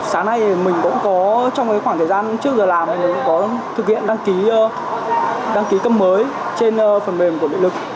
sáng nay mình cũng có trong khoảng thời gian trước giờ làm mình cũng có thực hiện đăng ký cấp mới trên phần mềm của địa lực